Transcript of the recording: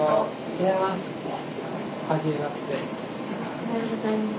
・おはようございます。